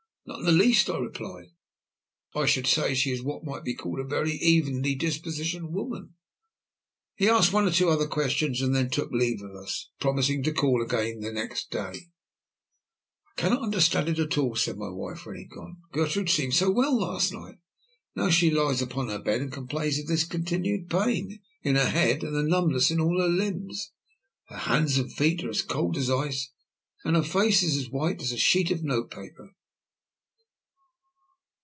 "Not in the least," I replied. "I should say she is what might be called a very evenly dispositioned woman." He asked one or two other questions and then took leave of us, promising to call again next day. "I cannot understand it at all," said my wife when he had gone; "Gertrude seemed so well last night. Now she lies upon her bed and complains of this continued pain in her head and the numbness in all her limbs. Her hands and feet are as cold as ice, and her face is as white as a sheet of note paper."